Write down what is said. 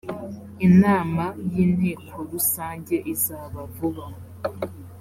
inama y ‘inteko rusange izaba vuba.